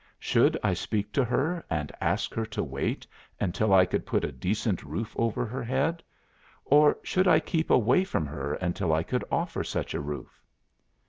Should I speak to her, and ask her to wait until I could put a decent roof over her head, or should I keep away from her until I could offer such a roof?